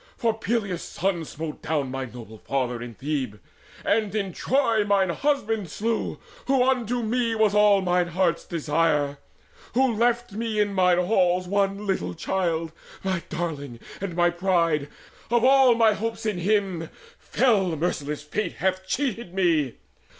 For Peleus' son smote down my noble father In Thebe, and in Troy mine husband slew, Who unto me was all mine heart's desire, Who left me in mine halls one little child, My darling and my pride of all mine hopes In him fell merciless Fate hath cheated me!